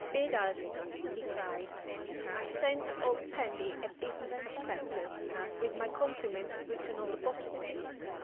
"Bedad," he cried, "I sent old Pendy a business prospectus, with my compliments written on the bottom of it.